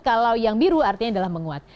kalau yang biru artinya adalah menguat